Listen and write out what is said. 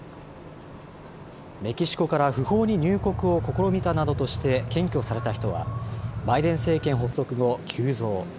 メキシコから不法に入国を試みたなどとして検挙された人は、バイデン政権発足後、急増。